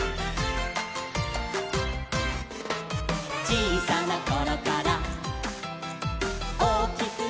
「ちいさなころからおおきくなっても」